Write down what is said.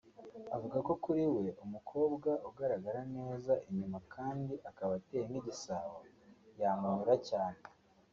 Avuga ko kuri we umukobwa ugaragara neza inyuma kandi akaba ateye nk’’igisabo yamunyura cyane